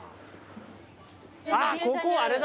あっここあれだ！